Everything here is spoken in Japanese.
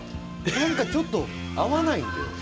何かちょっと合わないんだよ。